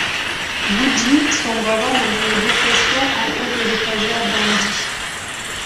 Woody sombre alors dans une dépression en haut de l'Étagère d'Andy.